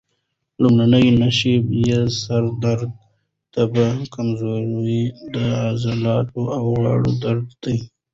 لومړنۍ نښې یې سر درد، تبه، کمزوري، د عضلاتو او غاړې درد دي.